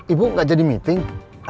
ibu gak jadi meeting